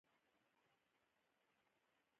مونږ تعلیم او تربیه په پښتو ژبه غواړو